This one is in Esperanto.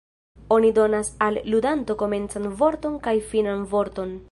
Oni donas al ludanto komencan vorton kaj finan vorton.